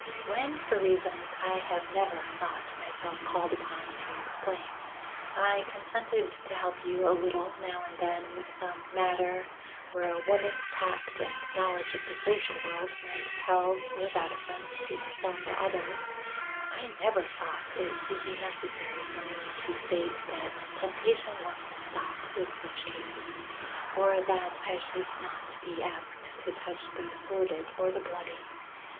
"When, for reasons I have never thought myself called upon to explain, I consented to help you a little now and then with some matter where a woman's tact and knowledge of the social world might tell without offence to herself or others, I never thought it would be necessary for me to state that temptation must stop with such cases, or that I should not be asked to touch the sordid or the bloody.